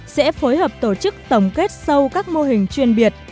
sẽ phối hợp tổ chức tổng kết sâu các mô hình chuyên biệt